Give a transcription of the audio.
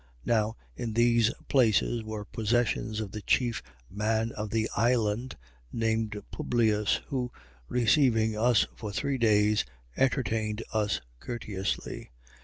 28:7. Now in these places were possessions of the chief man of the island, named Publius: who, receiving us for three days, entertained us courteously.